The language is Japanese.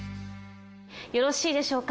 よろしいでしょうか。